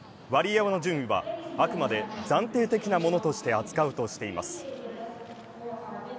ワリエワの順位はあくまで暫定的なものとして扱うとしています。